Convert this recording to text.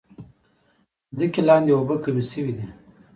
د ځمکې لاندې اوبه کمې شوي دي.